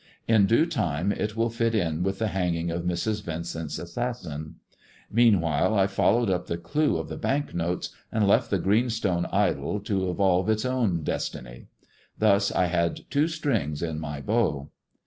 In due time it will fit in with the hanging of Mrs. Yincent's assassin. Meanwhile, I followed up the clue of the bank notes, and left the green stone idol to evolve its own destiny. Thus I had two strings to my bow.